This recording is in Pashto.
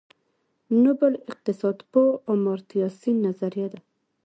نوبل اقتصادپوه آمارتیا سېن نظريه ده.